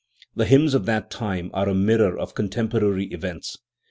The hymns of that time are a mirror of contemporary events.